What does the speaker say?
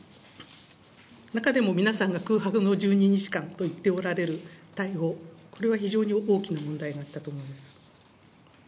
中でも皆さんが空白の１２日間といっておられる対応、これは非常に大きな問題になったと思います。